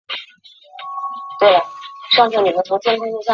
冈部元信长兄。